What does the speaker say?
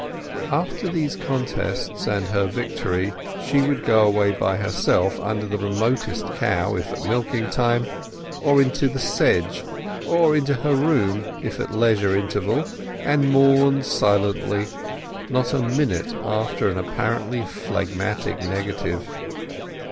After these tender contests and her victory she would go away by herself under the remotest cow, if at milking time, or into the sedge or into her room, if at a leisure interval, and mourn silently, not a minute after an apparently phlegmatic negative.